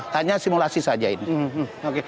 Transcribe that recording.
hanya simulasi saja ini